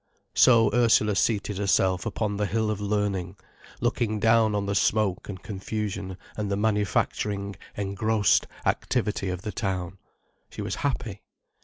So Ursula seated herself upon the hill of learning, looking down on the smoke and confusion and the manufacturing, engrossed activity of the town. She was happy.